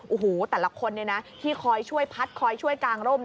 โอ้โหแต่ละคนที่คอยช่วยพัดคอยช่วยกางร่ม